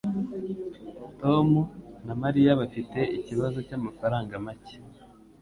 Tom na Mariya bafite ikibazo cyamafaranga make.